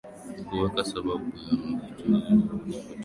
kuweka hesabu ya uchafuzi wa hewa kutoka